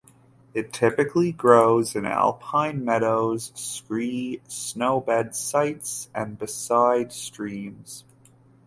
It typically grows in alpine meadows, scree, snow-bed sites and beside streams.